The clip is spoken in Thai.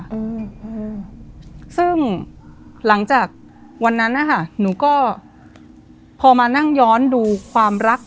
อืมซึ่งหลังจากวันนั้นนะคะหนูก็พอมานั่งย้อนดูความรัก